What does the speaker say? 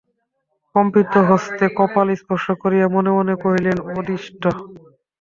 কম্পিত হস্তে কপাল স্পর্শ করিয়া মনে মনে কহিলেন, অদৃষ্ট!